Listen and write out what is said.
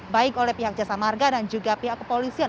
baik oleh pihak jasa marga dan juga pihak kepolisian